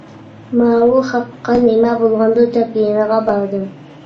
«ماۋۇ خەققە نېمە بولغاندۇ؟ » دەپ يېنىغا باردىم.